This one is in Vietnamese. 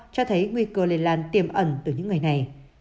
cho thấy nguy cơ lây lan tiềm ẩn từ những ngày này